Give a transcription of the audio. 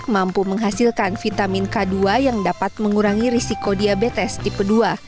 mampu menghasilkan vitamin k dua yang dapat mengurangi risiko diabetes tipe dua